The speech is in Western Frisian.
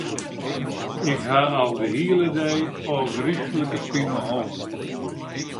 Ik ha al de hiele dei ôfgryslike pineholle.